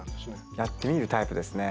やってみるタイプですね。